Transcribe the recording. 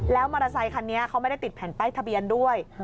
แล้วมอเตอร์ไซคันนี้เขาไม่ได้ติดแผ่นป้ายทะเบียนด้วย